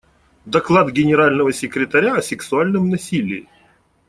Доклад Генерального секретаря о сексуальном насилии.